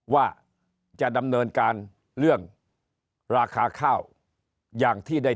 ว่าจะดำเนินการเรื่องราคาเข้า